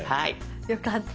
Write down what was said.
よかった。